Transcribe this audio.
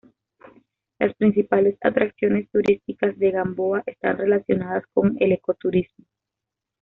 Las principales atracciones turísticas de Gamboa están relacionadas con el ecoturismo.